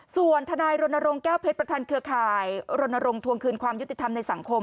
ส่วนธนัยศลแก้วเพชรประทานเครือข่ายศลองธวงคืนความยุติธรรมในสังคม